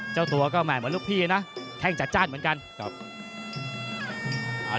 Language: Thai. เจ้าตัวก็แห่เหมือนลูกพี่นะแข้งจัดจ้านเหมือนกันครับ